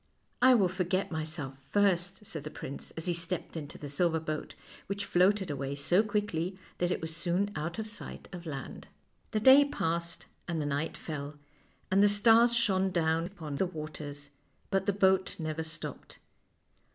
" I will forget myself first," said the prince, as he stepped into the silver boat, which floated away so quickly that it was soon out of sight of land. The day passed and the night fell, and the stars shone down upon the waters, but the boat never stopped.